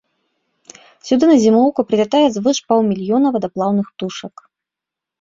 Сюды на зімоўку прылятае звыш паўмільёна вадаплаўных птушак.